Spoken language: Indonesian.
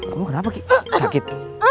kamu kenapa kik sakit